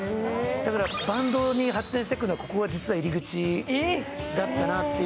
バンドに発展していくのは、ここが実は入り口だったなという。